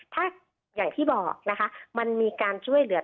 ถ้าอย่างที่บอกนะคะมันมีการช่วยเหลือ